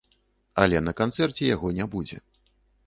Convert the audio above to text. Але на канцэрце яго не будзе.